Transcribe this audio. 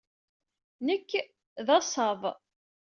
Nekk d asaḍ.